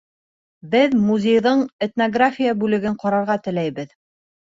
Беҙ музейҙың этнография бүлеген ҡарарға теләйбеҙ.